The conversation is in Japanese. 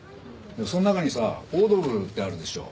その中にさオードブルってあるでしょ？